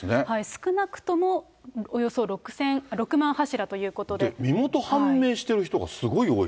少なくとも、身元判明してる人がすごい多い。